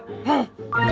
jangan apa apa tuh emosi